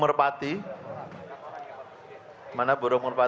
terima kasih banyak banyak zenon jonggo maaf